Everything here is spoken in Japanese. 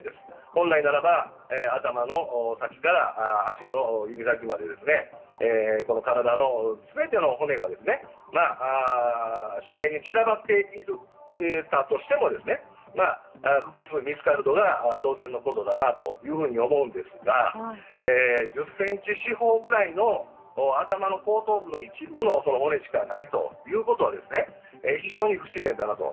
本来ならば頭の先から足の指先まで体の全ての骨が周辺に散らばっていたとしても複数見つかるのが当然のことだなというふうに思いますが１０ｃｍ四方ぐらいの頭の後頭部の一部の骨しかないということは非常に不自然だなと。